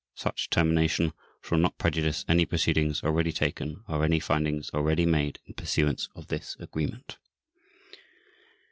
Such termination shall not prejudice any proceedings already taken or any findings already made in pursuance of this Agreement.